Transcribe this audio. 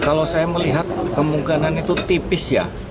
kalau saya melihat kemungkinan itu tipis ya